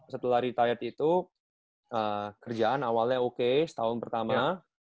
setelah retired itu kerjaan awalnya oke setahun pertamanya